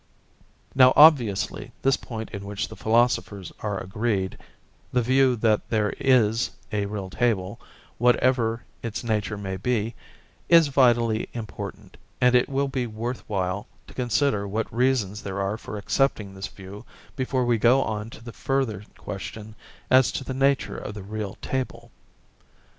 Now obviously this point in which the philosophers are agreed the view that there is a real table, whatever its nature may be is vitally important, and it will be worth while to consider what reasons there are for accepting this view before we go on to the further question as to the nature of the real table.